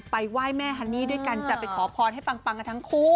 ไหว้แม่ฮันนี่ด้วยกันจะไปขอพรให้ปังกันทั้งคู่